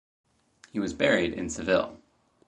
He was buried in Seville.